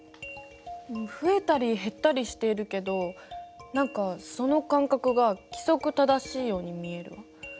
増えたり減ったりしているけど何かその間隔が規則正しいように見えるわ。